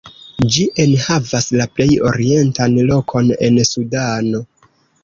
Ĝi enhavas la plej orientan lokon en Sudano.